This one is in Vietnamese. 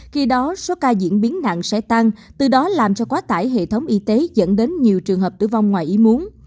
khi đó số ca diễn biến nặng sẽ tăng từ đó làm cho quá tải hệ thống y tế dẫn đến nhiều trường hợp tử vong ngoài ý muốn